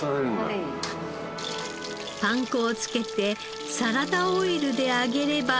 パン粉を付けてサラダオイルで揚げれば。